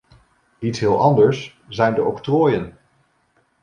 Iets heel anders zijn de octrooien.